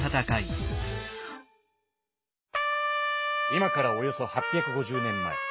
今からおよそ８５０年前。